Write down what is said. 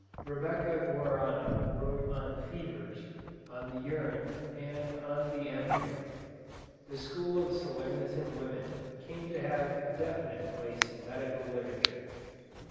Rebecca Guarna wrote on "Fevers," on the "Urine," and on the "Embryo." The school of Salernitan women came to have a definite place in medical literature.